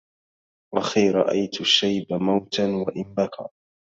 أخي رأيت الشيب موتاً وإن بكى